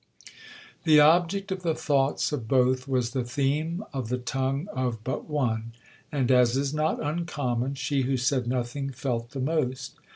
The object of the thoughts of both was the theme of the tongue of but one; and, as is not uncommon, she who said nothing felt the most.